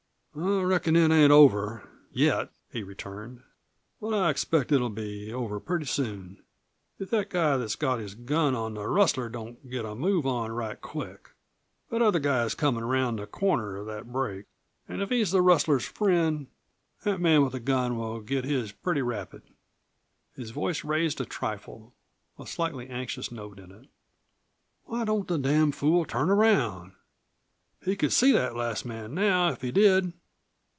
"I reckon it ain't over yet," he returned. "But I expect it'll be over pretty soon, if that guy that's got his gun on the rustler don't get a move on right quick. That other guy is comin' around the corner of that break, an' if he's the rustler's friend that man with the gun will get his pretty rapid." His voice raised a trifle, a slightly anxious note in it. "Why don't the damn fool turn around? He could see that last man now if he did.